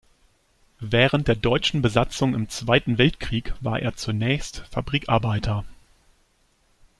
Während der deutschen Besatzung im Zweiten Weltkrieg war er zunächst Fabrikarbeiter.